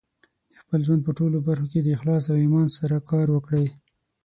د خپل ژوند په ټولو برخو کې د اخلاص او ایمان سره کار وکړئ.